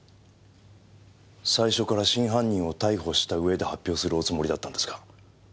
最初から真犯人を逮捕したうえで発表するおつもりだったんですか？